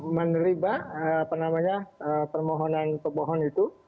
menerima apa namanya permohonan pemohon itu